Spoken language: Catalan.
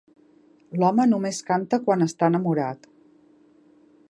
L'home només canta quan està enamorat.